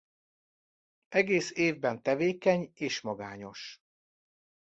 Egész évben tevékeny és magányos.